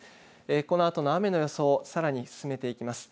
このあとの雨の予想さらに進めていきます。